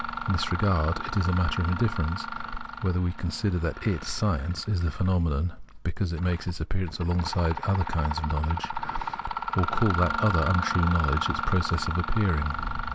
In this regard, it is a matter of indifference whether we consider that it (science) is the phenomenon because it makes its appearance alongside another kind of knowledge, or call that other untrue knowledge its process of appearing.